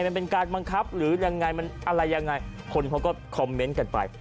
มันเป็นการบังคับหรือยังไงมันอะไรยังไงคนเขาก็คอมเมนต์กันไป